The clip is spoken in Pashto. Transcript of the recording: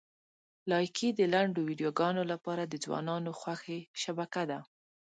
لایکي د لنډو ویډیوګانو لپاره د ځوانانو خوښې شبکه ده.